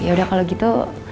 yaudah kalau gitu